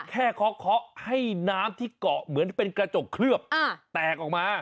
เคาะให้น้ำที่เกาะเหมือนเป็นกระจกเคลือบแตกออกมา